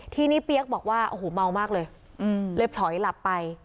ทีนี้เปี๊ยกบอกว่าโอ้โหเมามากเลยเลยผลอยหลับไป